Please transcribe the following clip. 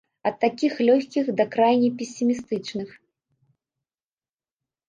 Ад такіх лёгкіх, да крайне песімістычных.